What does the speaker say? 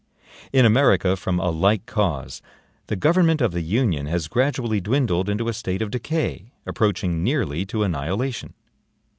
In America, from a like cause, the government of the Union has gradually dwindled into a state of decay, approaching nearly to annihilation.